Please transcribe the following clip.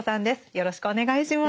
よろしくお願いします。